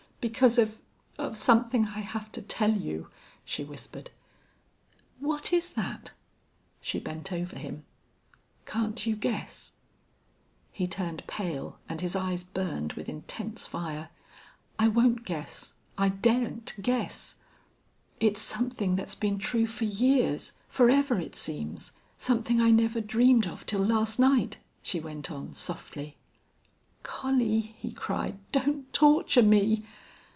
"Because of of something I have to tell you," she whispered. "What is that?" She bent over him. "Can't you guess?" He turned pale, and his eyes burned with intense fire. "I won't guess ... I daren't guess." "It's something that's been true for years forever, it seems something I never dreamed of till last night," she went on, softly. "Collie!" he cried. "Don't torture me!"